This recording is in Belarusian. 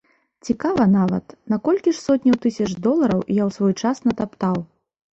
Цікава нават, на колькі ж сотняў тысяч долараў я ў свой час натаптаў?